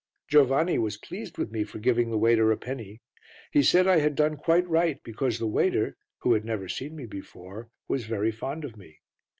Giovanni was pleased with me for giving the waiter a penny. He said I had done quite right because the waiter (who had never seen me before) was very fond of me.